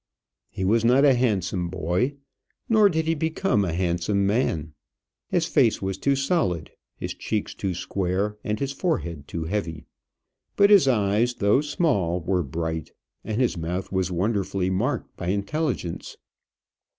He was not a handsome boy, nor did he become a handsome man. His face was too solid, his cheeks too square, and his forehead too heavy; but his eyes, though small, were bright, and his mouth was wonderfully marked by intelligence.